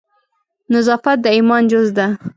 نظافت د ایمان جز ده